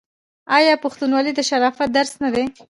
آیا پښتونولي د شرافت درس نه دی؟